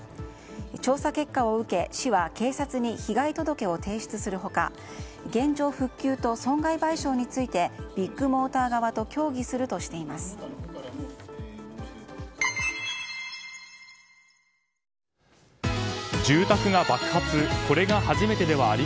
調査結果を受け、市は警察に被害届を提出する他現状復旧と損害賠償についてビッグモーター側とやさしいマーン！！